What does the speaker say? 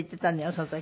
その時。